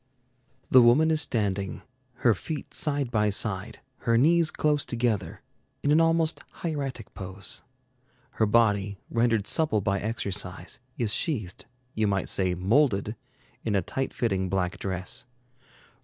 The woman is standing, her feet side by side, her knees close together, in an almost hieratic pose. Her body, rendered supple by exercise, is sheathed you might say molded in a tight fitting black dress.